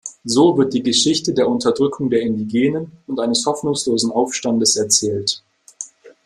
So wird die Geschichte der Unterdrückung der Indigenen und eines hoffnungslosen Aufstandes erzählt.